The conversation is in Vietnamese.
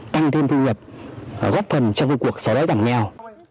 tăng thêm thu nhập góp phần trong vụ cuộc xóa đáy giảm nghèo